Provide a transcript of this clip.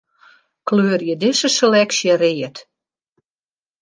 Kleurje dizze seleksje read.